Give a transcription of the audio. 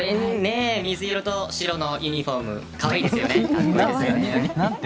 水色と白のユニホーム格好いいですよね。